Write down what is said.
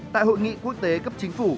tại hội nghị quốc tế cấp chính phủ